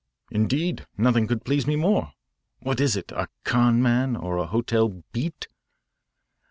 "Indeed, nothing could please me more. What is it a 'con' man or a hotel 'beat'?"